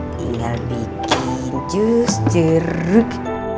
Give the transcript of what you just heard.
tinggal bikin jus jeruk